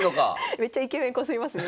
めっちゃイケメンこすりますね。